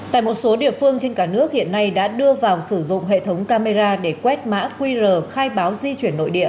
tại một số địa phương trên cả nước hiện nay đã đưa vào sử dụng hệ thống camera để quét mã qr khai báo di chuyển nội địa